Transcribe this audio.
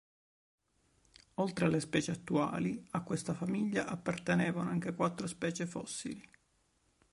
Oltre alle specie attuali, a questa famiglia appartenevano anche quattro specie fossili.